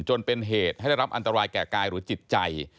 จนเป็นเหตุให้ได้รับอันตรายแก่กายหรือจิตใจ